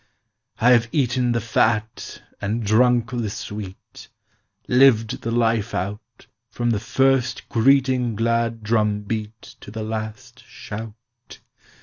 I have eaten the fat and drunk the sweet, Lived the life out From the first greeting glad drum beat To the last shout.